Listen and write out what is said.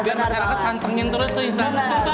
biar masyarakat hantengin terus tuh